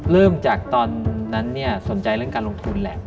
เริ่มจากตอนนั้นสนใจเรื่องการลงทุนแหละ